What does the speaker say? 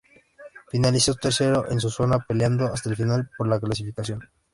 Finalizó tercero en su zona peleando hasta el final por la clasificación.